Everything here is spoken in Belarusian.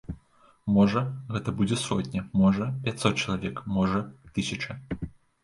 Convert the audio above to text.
Можа, гэта будзе сотня, можа, пяцьсот чалавек, можа, тысяча.